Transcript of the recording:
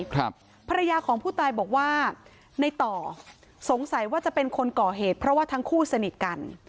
ภรรยาของผู้ตายบอกว่าในต่อสงสัยว่าจะเป็นคนก่อเหตุเพราะว่าทั้งคู่สนิทกัน